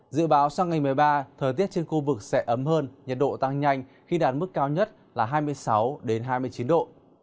dự báo sang ngày một mươi ba thời tiết trên khu vực sẽ ấm hơn nhiệt độ tăng nhanh khi đạt mức cao nhất là hai mươi sáu hai mươi chín độ